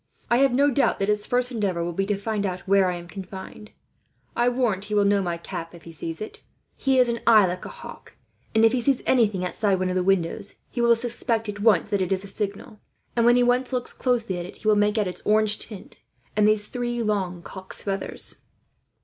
"I have no doubt that his first endeavour will be to find out where I am confined. I warrant he will know my cap, if he sees it. He has an eye like a hawk and, if he sees anything outside one of the windows, he will suspect at once that it is a signal; and when he once looks closely at it, he will make out its orange tint and these three long cock's feathers."